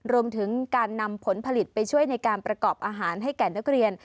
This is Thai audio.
รวมถึงการนำผลผลิตไปช่วยในการประกอบอาหารให้แก่นักเรียน